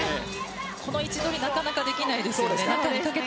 この位置取りなかなかできないですね。